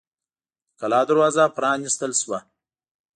د کلا دروازه پرانیستل شوه.